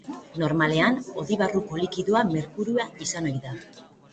Normalean, hodi barruko likidoa merkurioa izan ohi da.